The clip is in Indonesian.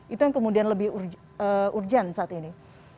itu yang kemudian lebih urgent saat ini